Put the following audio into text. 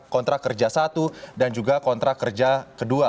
kontrak kerja satu dan juga kontrak kerja kedua